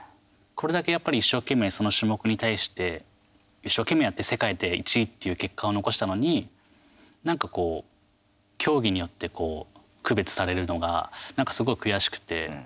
これだけやっぱり一生懸命その種目に対して一生懸命やって世界で１位っていう結果を残したのになんかこう、競技によってこう区別されるのがなんか、すごい悔しくて。